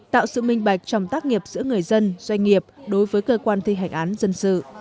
tạo sự minh bạch trong tác nghiệp giữa người dân doanh nghiệp đối với cơ quan thi hành án dân sự